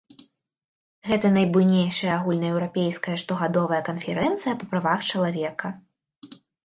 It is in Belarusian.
Гэта найбуйнейшая агульнаеўрапейская штогадовая канферэнцыя па правах чалавека.